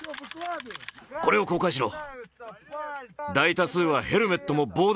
これを公開しろ。